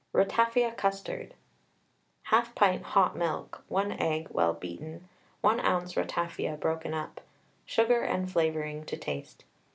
RATAFIA CUSTARD. 1/2 pint hot milk, 1 egg well beaten, 1 oz. ratafia broken up, sugar and flavouring to taste.